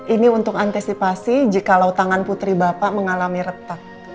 ini untuk antisipasi jikalau tangan putri bapak mengalami retak